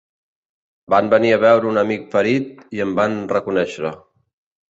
Van venir a veure un amic ferit i em van reconèixer